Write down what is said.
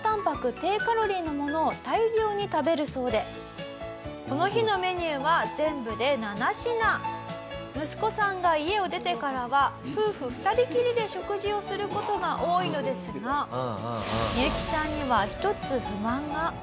低カロリーなものを大量に食べるそうでこの日のメニューは全部で７品」「息子さんが家を出てからは夫婦２人きりで食事をする事が多いのですがミユキさんには１つ不満が」